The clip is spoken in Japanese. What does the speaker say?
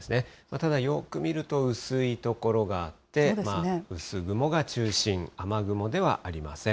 ただ、よく見ると薄い所があって、薄雲が中心、雨雲ではありません。